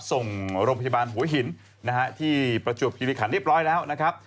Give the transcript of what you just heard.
ส่งโรงพยาบาลหัวหินนะฮะที่ประจวบคิริขันเรียบร้อยแล้วนะครับ